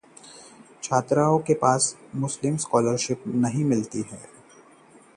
छात्राओं के पास स्कॉलरशिप पाने का अवसर, जानें- कैसे करें आवेदन